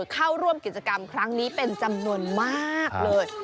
เข้าร่วมกิจกรรมครั้งนี้เป็นจำนวนมากเลย